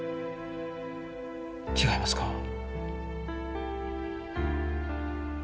違いますか？